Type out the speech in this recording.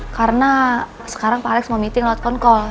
karena sekarang pak alex mau meeting lewat phone call